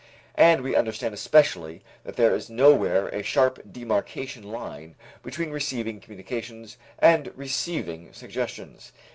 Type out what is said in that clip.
And we understand especially that there is nowhere a sharp demarcation line between receiving communications and receiving suggestions.